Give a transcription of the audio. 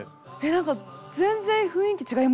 何か全然雰囲気違いますね。